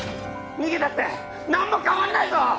逃げたって何も変わんないぞ！